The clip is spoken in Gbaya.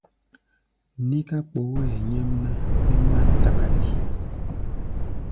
Níká kpooʼɛ nyɛ́mná, mí ŋmán takáɗi.